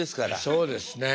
そうですね。